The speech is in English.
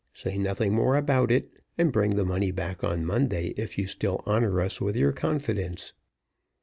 Say nothing more about it, and bring the money back on Monday if you still honor us with your confidence."